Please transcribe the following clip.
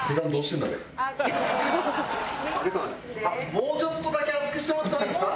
もうちょっとだけ熱くしてもらってもいいですか？